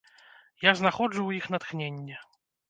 Я знаходжу ў іх натхненне.